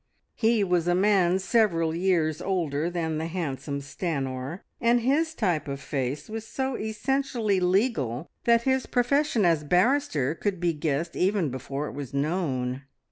He was a man several years older than the handsome Stanor, and his type of face was so essentially legal that his profession as barrister could be guessed even before it was known.